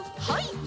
はい。